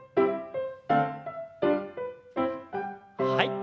はい。